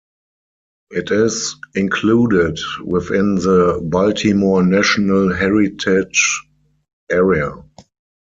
It is included within the Baltimore National Heritage Area.